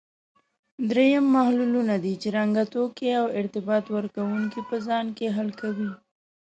دریم محللونه دي چې رنګي توکي او ارتباط ورکوونکي په ځان کې حل کوي.